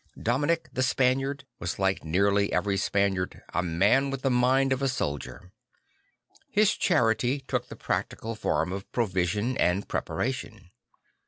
Dominic the Spaniard was, like nearly every Spaniard, a man with the mind of a soldier. His charity took the practical form of provision and preparation.